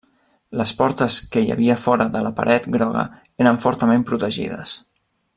Les portes que hi havia fora de la paret groga eren fortament protegides.